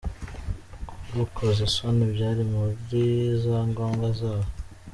Kugukoza isoni byari muri za ngombwa zabo